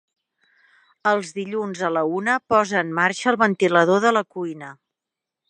Els dilluns a la una posa en marxa el ventilador de la cuina.